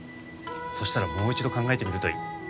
そしたらもう一度考えてみるといい。